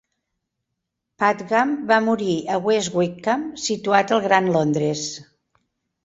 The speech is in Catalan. Padgham va morir a West Wickham, situat al Gran Londres.